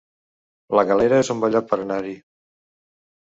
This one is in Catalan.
La Galera es un bon lloc per anar-hi